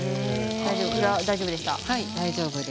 裏、大丈夫でした。